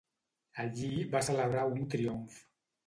Allí va celebrar un triomf.